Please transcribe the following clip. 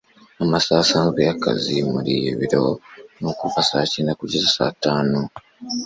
amasaha asanzwe yakazi muriyi biro ni kuva cyenda kugeza atanu